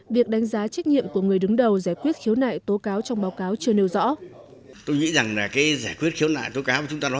việc đánh giá trách nhiệm của người đứng đầu giải quyết khiếu nại tố cáo trong báo cáo chưa nêu rõ